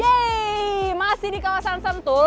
yeay masih di kawasan sentul